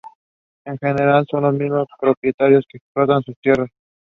Martin then went to the monastery of Glane near Gronau.